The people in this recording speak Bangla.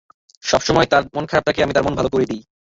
সবসময় তার যখন মন খারাপ থাকে, আমি তার মন ভালো করে দিই।